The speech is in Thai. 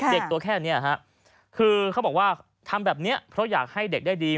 ตัวแค่นี้ฮะคือเขาบอกว่าทำแบบนี้เพราะอยากให้เด็กได้ดี